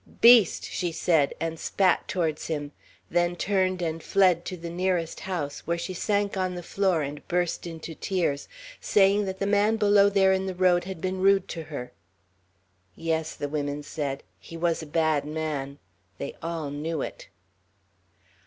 "Beast!" she said, and spat towards him; then turned and fled to the nearest house, where she sank on the floor and burst into tears, saying that the man below there in the road had been rude to her. Yes, the women said, he was a bad man; they all knew it.